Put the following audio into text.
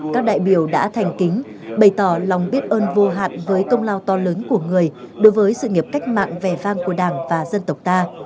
các đại biểu đã thành kính bày tỏ lòng biết ơn vô hạn với công lao to lớn của người đối với sự nghiệp cách mạng vẻ vang của đảng và dân tộc ta